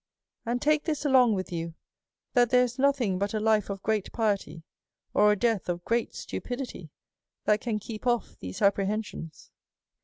" And take this along with you, that there is no \ thing but a life of great piety, or a death of great stu fi pidity, that can keep off these apprehensions.